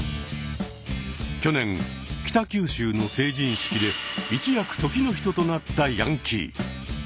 去年北九州の成人式で一躍時の人となったヤンキー。